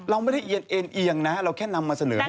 เราไม่ได้เอียนเอียงนะเราแค่นำมาเสนอให้ฟัง